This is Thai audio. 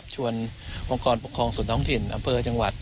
องค์กรปกครองส่วนท้องถิ่นอำเภอจังหวัด